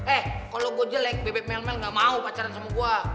eh kalo gue jelek bebek mel mel gak mau pacaran sama gue